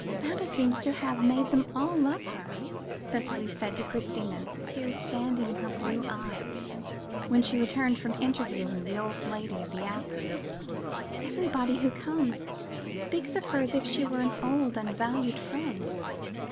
"Baba seems to have made them all love her," Cicely said to Christina, tears standing in her blue eyes, when she returned from interviewing the old lady of the apples; "everybody who comes, speaks of her as if she were an old and valued friend."